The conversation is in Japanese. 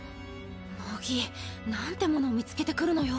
乃木なんてものを見つけてくるのよ。